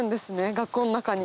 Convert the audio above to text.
学校の中に。